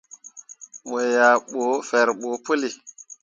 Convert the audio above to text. Mo yah ɓu ferɓo puli.